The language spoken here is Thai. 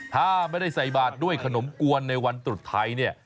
ถ้าไม่ได้ใส่บาทด้วยขนมกวนในวันตรุษไทยเนี่ย